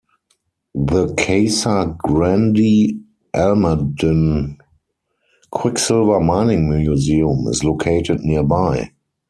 The Casa Grande Almaden Quicksilver Mining Museum is located nearby.